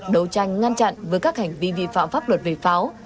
đấu tranh ngăn chặn với các hành vi vi phạm pháp luật về pháo